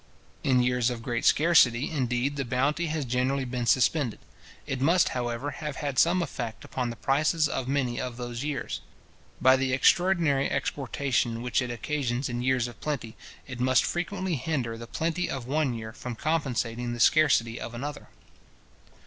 In years of great scarcity, indeed, the bounty has generally been suspended. It must, however, have had some effect upon the prices of many of those years. By the extraordinary exportation which it occasions in years of plenty, it must frequently hinder the plenty of one year from compensating the scarcity of another.